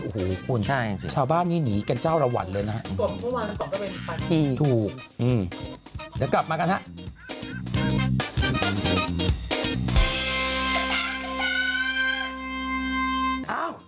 โอ้โฮชาวบ้านนี้หนีกันเจ้าระหวันเลยนะครับถูกแล้วกลับมากันนะครับ